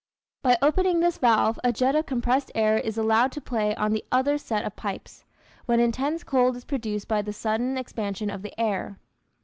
By opening this valve a jet of compressed air is allowed to play on the other set of pipes, when intense cold is produced by the sudden expansion of the air.